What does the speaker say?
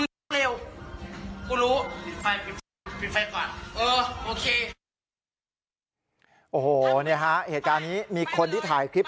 ทำเป็นเดียวมึงไม่ต้องทำอะไร